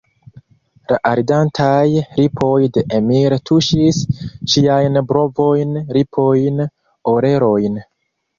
La ardantaj lipoj de Emil tuŝis ŝiajn brovojn, lipojn, orelojn.